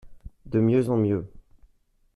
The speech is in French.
De mieux en mieux.